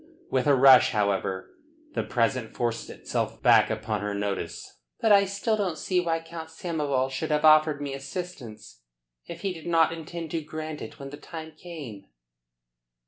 With a rush, however, the present forced itself back upon her notice. "But I still don't see why Count Samoval should have offered me assistance if he did not intend to grant it when the time came."